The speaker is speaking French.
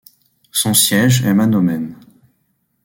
Son siège est Mahnomen.